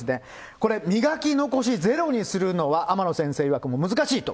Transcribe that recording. これ、磨き残しゼロにするのは天野先生いわく難しいと。